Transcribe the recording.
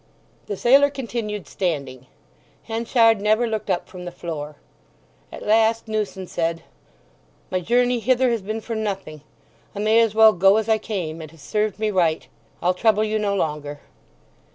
The sailor continued standing. Henchard never looked up from the floor. At last Newson said: "My journey hither has been for nothing! I may as well go as I came! It has served me right. I'll trouble you no longer."